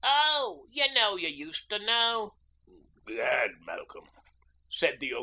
Oh! you know you used to know. ... 'Gad, Malcolm,' said the O.C.